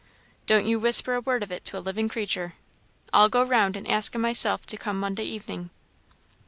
Don't you whisper a word of it to a living creature. I'll go round and ask 'em myself to come Monday evening."